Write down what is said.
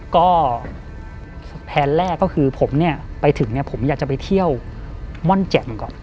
ก็แผนแรกก็คือผมเนี่ยไปถึงเนี่ยผมอยากจะไปเที่ยวม่อนแจ่มก่อน